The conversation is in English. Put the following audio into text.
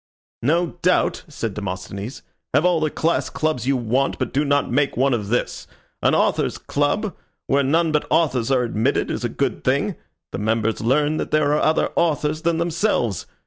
"No doubt," said Demosthenes. "Have all the class clubs you want, but do not make one of this. An Authors' Club, where none but authors are admitted, is a good thing. The members learn there that there are other authors than themselves.